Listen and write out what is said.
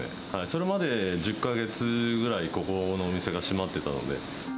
それまで１０か月ぐらいここのお店が閉まっていたので。